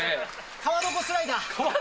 川床スライダー？